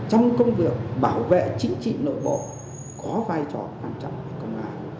trong công việc bảo vệ chính trị nội bộ có vai trò quan trọng về công an